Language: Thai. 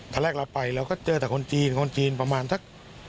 แรกเราไปเราก็เจอแต่คนจีนคนจีนประมาณสัก